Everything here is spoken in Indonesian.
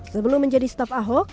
sebelum menjadi staf ahok